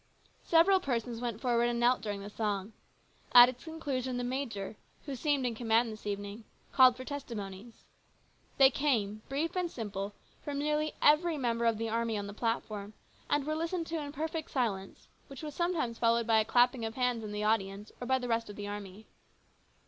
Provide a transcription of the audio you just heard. Several persons went forward and knelt during the song. At its conclusion the major, who seemed in command this evening, called for testimonies. They came, brief and simple, from nearly every member of the army on the platform, and were listened to in perfect silence, which was sometimes followed by a clapping of hands in the audience or by the rest of the army.